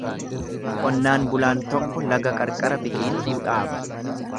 Qonnaan bulaan tokko laga qarqara biqiltuu dhaaba.